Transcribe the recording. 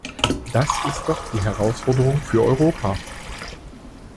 Das ist doch die Herausforderung für Europa!